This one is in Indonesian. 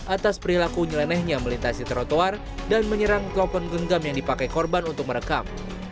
atas perilaku nyelenehnya melintasi trotoar dan menyerang telepon genggam yang dipakai korban untuk merekam